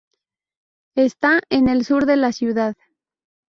Está en el sur de la ciudad.